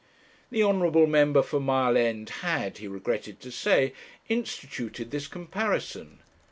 The honourable member for Mile End had, he regretted to say, instituted this comparison.